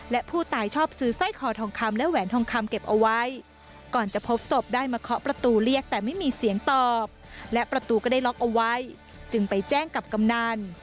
และผู้ตายชอบซื้อสร้อยคอทองคำและแหวนทองคำเก็บเอาไว้ก่อนจะพบศพได้มาเคาะประตูเรียกแต่ไม่มีเสียงตอบและประตูก็ได้ล็อกเอาไว้จึงไปแจ้งกับกำนัน